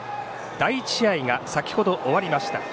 第１試合が先ほど終わりました。